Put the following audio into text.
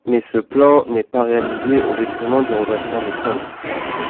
Mais ce plan n’est pas réalisé au détriment du redressement des comptes.